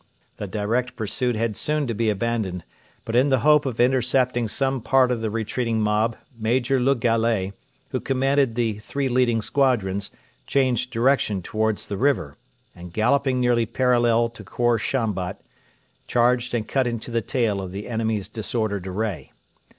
The direct pursuit had soon to be abandoned, but in the hope of intercepting some part of the retreating mob Major Le Gallais, who commanded the three leading squadrons, changed direction towards the river, and, galloping nearly parallel to Khor Shambat, charged and cut into the tail of the enemy's disordered array.